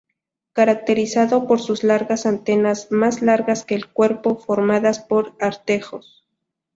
Caracterizado por sus largas antenas, más largas que el cuerpo, formadas por artejos.